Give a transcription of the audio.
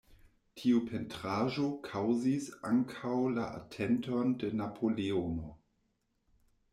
Tiu pentraĵo kaŭzis ankaŭ la atenton de Napoleono.